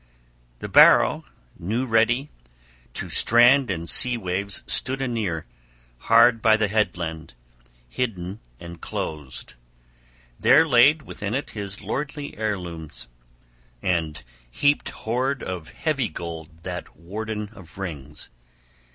The barrow, new ready, to strand and sea waves stood anear, hard by the headland, hidden and closed; there laid within it his lordly heirlooms and heaped hoard of heavy gold that warden of rings.